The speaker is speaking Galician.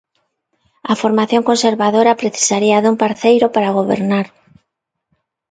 A formación conservadora precisaría dun parceiro para gobernar.